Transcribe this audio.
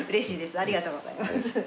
ありがとうございます。